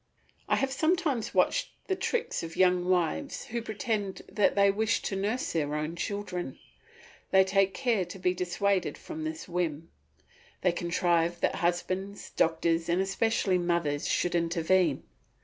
I have sometimes watched the tricks of young wives who pretend that they wish to nurse their own children. They take care to be dissuaded from this whim. They contrive that husbands, doctors, and especially mothers should intervene.